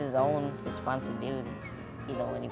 sangat susah untuk menyanyi